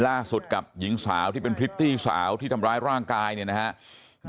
กับหญิงสาวที่เป็นพริตตี้สาวที่ทำร้ายร่างกายเนี่ยนะครับ